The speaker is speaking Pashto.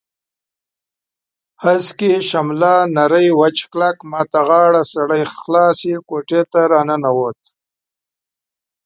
هسکې شمله نری وچ کلک، ما ته غاړه سړی خلاصې کوټې ته راننوت.